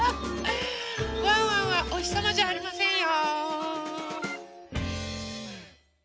ワンワンはおひさまじゃありませんよ。